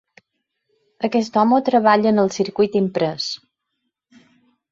Aquest home treballa en el circuit imprès.